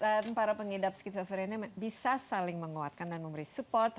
dan para pengidap skizofrenia bisa saling menguatkan dan memberi support